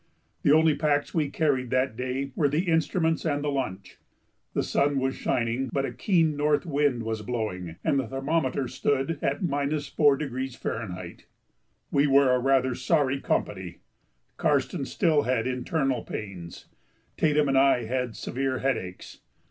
The only packs we carried that day were the instruments and the lunch. The sun was shining, but a keen north wind was blowing and the thermometer stood at 4° F. We were rather a sorry company. Karstens still had internal pains; Tatum and I had severe headaches.